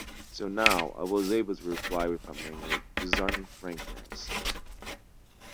So now I was able to reply with a manly, disarming frankness.